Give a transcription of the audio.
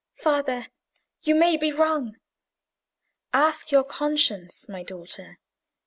"Father, you may be wrong." "Ask your conscience, my daughter.